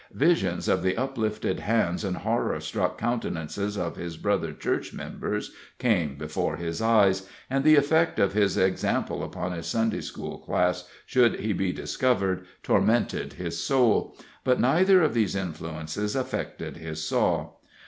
Visions of the uplifted hands and horror struck countenances of his brother Church members came before his eyes, and the effect of his example upon his Sunday school class, should he be discovered, tormented his soul; but neither of these influences affected his saw.